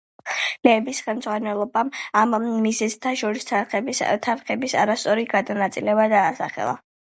ლეიბლის ხელმძღვანელობამ ამ მიზეზთა შორის თანხების არასწორი გადანაწილება დაასახელა.